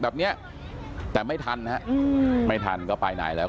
พี่เขาก็ไปแล้ว